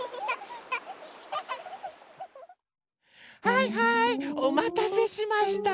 はいはいおまたせしました！